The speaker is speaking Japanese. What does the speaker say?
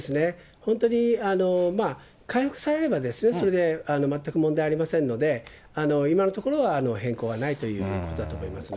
本当に回復されれば、それで全く問題ありませんので、今のところは変更はないということだと思いますね。